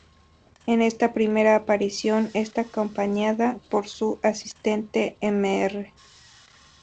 En esta primera aparición, está acompañada por su asistente Mr.